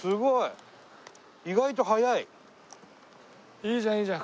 いいじゃんいいじゃん。